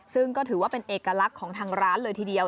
ซึ่งก็ถือว่าเป็นเอกลักษณ์ของทางร้านเลยทีเดียว